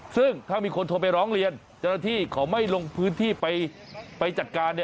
ซึ่งถ้ามีคนโทรไปร้องเรียนเจ้าหน้าที่เขาไม่ลงพื้นที่ไปจัดการ